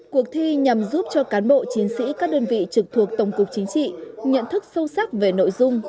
cuộc thi nhằm giúp cho cán bộ chiến sĩ các đơn vị trực thuộc tổng cục chính trị nhận thức sâu sắc về nội dung